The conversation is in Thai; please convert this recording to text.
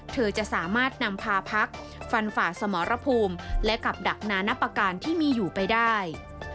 เธอจะสามารถนำพาพักฟันฝ่าสมรภูมิและกับดักนานับประการที่มีอยู่ไปได้